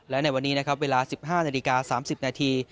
และในวันนี้นะครับเวลา๑๕นาฬิกา๓๐นาที